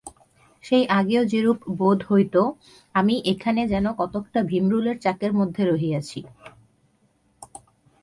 সেই আগেও যেরূপ বোধ হইত, আমি এখানে যেন কতকটা ভীমরুলের চাকের মধ্যে রহিয়াছি।